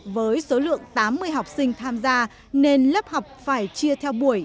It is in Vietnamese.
với số lượng tám mươi học sinh tham gia nên lớp học phải chia theo buổi